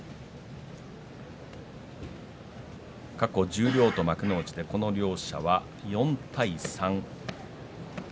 過去十両幕内でこの両者４対３です。